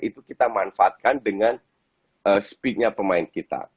itu kita manfaatkan dengan speednya pemain kita